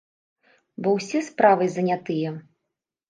Бо ўсе справай занятыя!